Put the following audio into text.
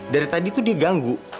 dari tadi itu dia ganggu